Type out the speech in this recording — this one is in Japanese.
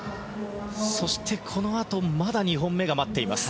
そしてこのあとまだ２本目が待っています。